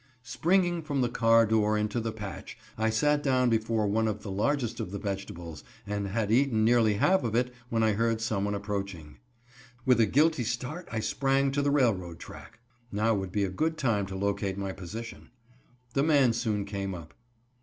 Springing from the car door into the patch, I sat down before one of the largest of the vegetables and had eaten nearly half of it when I heard some one approaching. With a guilty start I sprang to the railroad track. Now would be a good time to locate my position. The man soon came up.